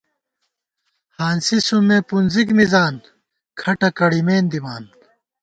ہانسی سُومے پُنزِک مِزان ، کھٹہ کڑِمېن دِمان